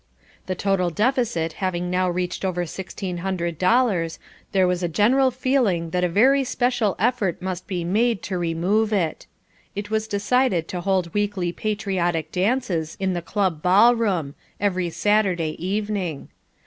The total deficit having now reached over sixteen hundred dollars, there was a general feeling that a very special effort must be made to remove it. It was decided to hold Weekly Patriotic Dances in the club ball room, every Saturday evening.